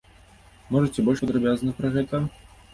Можаце больш падрабязна пра гэта?